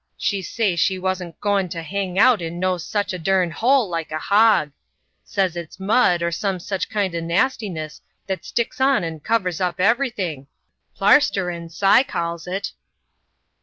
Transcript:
She say she wasn't gwyne to hang out in no sich a dern hole like a hog. Says it's mud, or some sich kind o' nastiness that sticks on n' covers up everything. Plarsterin', Si calls it."